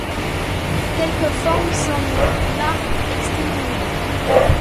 Quelques ; formes sans nom, larves exténuées